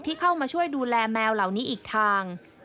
เข้ามาช่วยดูแลแมวเหล่านี้อีกทาง